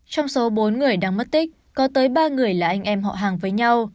trong số bốn người đang mất tích có tới ba người là anh em họ hàng với nhau